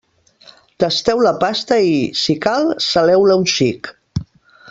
Tasteu la pasta i, si cal, saleu-la un xic.